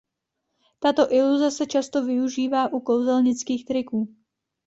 Tato iluze se často využívá u kouzelnických triků.